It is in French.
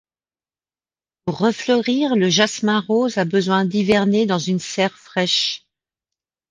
Pour refleurir, le jasmin rose a besoin d'hiverner dans une serre fraîche.